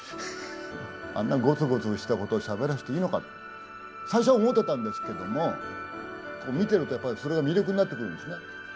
しゃべらせていいのかって最初は思ってたんですけども見てると、やっぱりそれが魅力になってくるんですね。